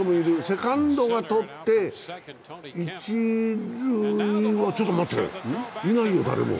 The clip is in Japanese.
セカンドがとって一塁ちょっと待って誰もいないよ。